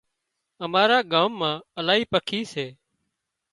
امارا ڳام مان الاهي پکي سي